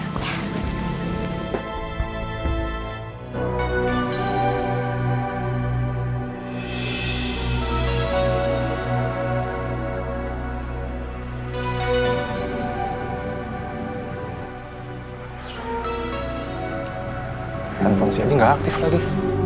telepon si adi nggak aktif tadi